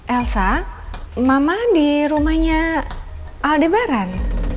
elsa mama di rumahnya aldebaran